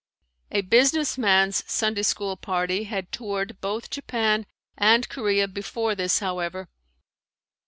A Business Man's Sunday School Party had toured both Japan and Korea before this, however.